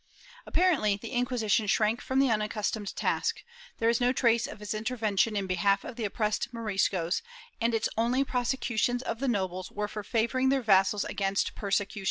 * Apparently the Inquisition shrank from the unaccustomed task ; there is no trace of its intervention in behalf of the oppressed Moriscos, and its only prosecutions of the nobles were for favoring their vassals against its persecution.